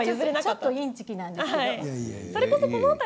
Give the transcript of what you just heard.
ちょっとインチキなんですよ。